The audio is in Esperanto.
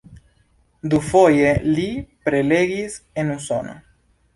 Dufoje li prelegis en Usono.